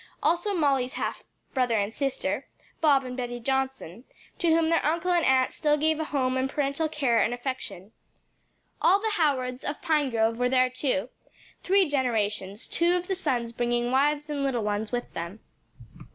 also Molly's half brother and sister, Bob and Betty Johnson, to whom their uncle and aunt still gave a home and parental care and affection. All the Howards, of Pinegrove, were there too three generations, two of the sons bringing wives and little ones with them.